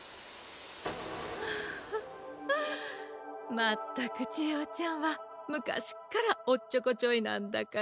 まったくちえおちゃんはむかしっからおっちょこちょいなんだから。